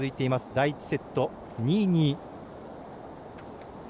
第１セット、２−２。